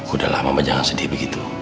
udah lah mama jangan sedih begitu